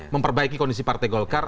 memperbaiki kondisi partai golkar